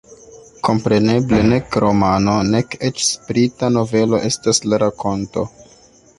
Kompreneble nek romano, nek eĉ sprita novelo estas la rakonto.